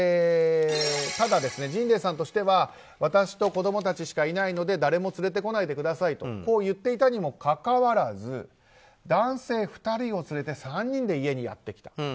ただ、ジンレイさんとしては私と子供たちしかいないので誰もつれてこないでくださいとこう言っていたにもかかわらず男性２人を連れて３人で家にやってきた。